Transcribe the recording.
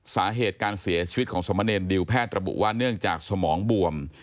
สาเหตุการเสียชีวิตของสมเนรดิวแพทย์ระบุว่าเนื่องจากสมองบวม